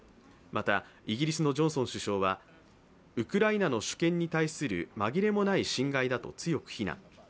また、イギリスのジョンソン首相はウクライナの主権に対する紛れもない侵害だと強く非難。